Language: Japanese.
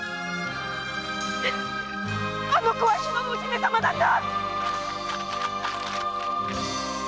あの子は日野のお姫様なんだ！